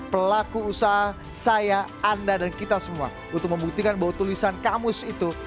pelaku usaha saya anda dan kita semua untuk membuktikan bahwa tulisan kamus itu